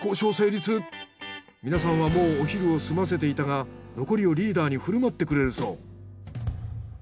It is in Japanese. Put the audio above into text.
皆さんはもうお昼を済ませていたが残りをリーダーに振る舞ってくれるそう。